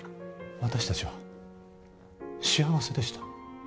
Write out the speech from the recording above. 私達は幸せでした